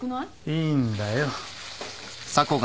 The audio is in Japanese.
いいんだよ。